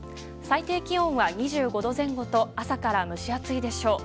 最低気温は２５度前後と朝から蒸し暑いでしょう。